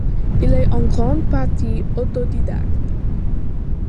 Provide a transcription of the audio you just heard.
Il est en grande partie autodidacte.